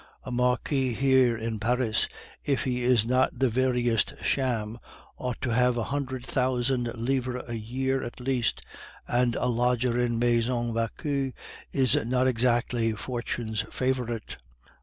"A marquis here in Paris, if he is not the veriest sham, ought to have a hundred thousand livres a year at least; and a lodger in the Maison Vauquer is not exactly Fortune's favorite."